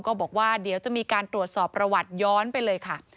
บอกว่าเดี๋ยวจะมีการตรวจสอบประวัติย้อนไปเลยค่ะ